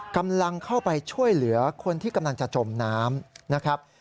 กำลังเข้าไปช่วยเหลือคนที่กำลังจะจมน้ำนะครับ